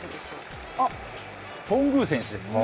頓宮選手です。